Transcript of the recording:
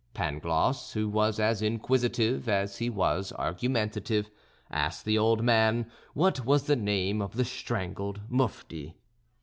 Pangloss, who was as inquisitive as he was argumentative, asked the old man what was the name of the strangled Mufti.